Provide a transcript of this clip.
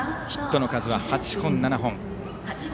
ヒットの数は８本、７本。